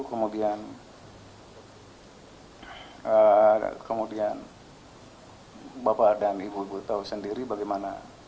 kemudian bapak dan ibu ibu tahu sendiri bagaimana